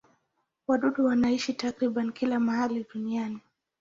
Wadudu wanaishi takriban kila mahali duniani.